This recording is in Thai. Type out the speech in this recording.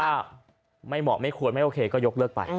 ถ้าไม่เหมาะไม่ควรไม่โอเคก็ยกเลิกไป